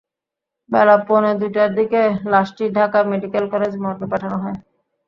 বেলা পৌনে দুইটার দিকে লাশটি ঢাকা মেডিকেল কলেজ মর্গে পাঠানো হয়।